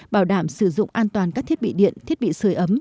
bảo đảm sử dụng an toàn các thiết bị điện thiết bị sửa ấm